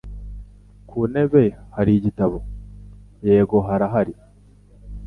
"Ku ntebe hari igitabo?" "Yego, harahari."